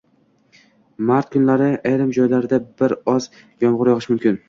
Mmart kunlari ayrim joylarda bir oz yomgʻir yogʻishi mumkin.